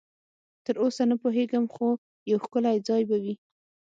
تراوسه نه پوهېږم، خو یو ښکلی ځای به وي.